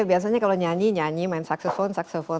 jarang ya kalau nyanyi nyanyi main saksepon saksepon